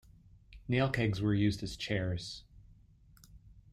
Nail kegs were used as chairs.